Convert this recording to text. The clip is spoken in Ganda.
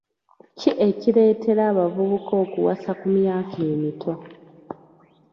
Ki ekireetera abavubuka okuwasa ku myaka emito?